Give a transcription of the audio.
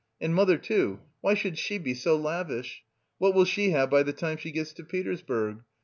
And mother too, why should she be so lavish? What will she have by the time she gets to Petersburg?